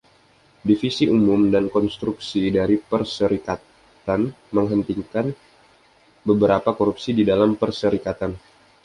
Divisi Umum dan Konstruksi dari perserikatan menghentikan beberapa korupsi di dalam perserikatan.